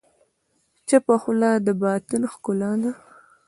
چپه خوله، د باطن ښکلا ده.